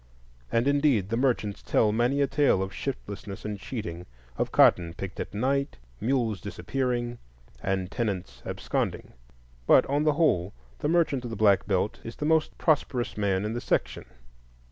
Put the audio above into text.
And, indeed, the merchants tell many a true tale of shiftlessness and cheating; of cotton picked at night, mules disappearing, and tenants absconding. But on the whole the merchant of the Black Belt is the most prosperous man in the section.